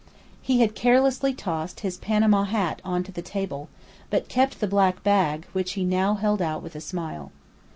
He had carelessly tossed his Panama hat on to the table, but kept the black bag, which he now held out with a smile.